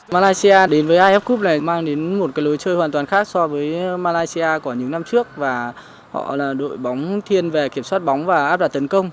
malaysia đến với iff cup này mang đến một cái lối chơi hoàn toàn khác so với malaysia của những năm trước và họ là đội bóng thiên về kiểm soát bóng và áp đặt tấn công